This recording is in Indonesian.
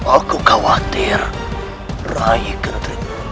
aku khawatir rai keterlaluan